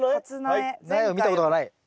苗を見たことがない？